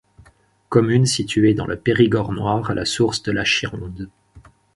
Commune située dans le Périgord noir à la source de la Chironde.